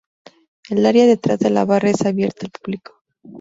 El área detrás de la barra es abierta al público.